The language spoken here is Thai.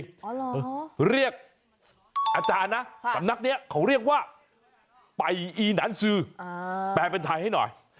อ๋อเหรอเรียกอาจารย์นะสำนักเนี้ยเขาเรียกว่าปัยอีนานซื้อแปลเป็นไทยให้หน่อย